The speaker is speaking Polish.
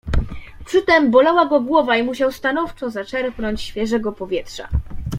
"Przytem bolała go głowa i musiał stanowczo zaczerpnąć świeżego powietrza."